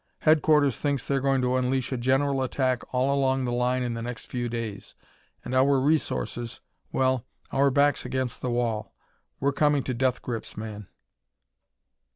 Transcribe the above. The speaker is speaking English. Headquarters thinks they're going to unleash a general attack all along the line in the next few days. And our resources well, our back's against the wall. We're coming to death grips, man."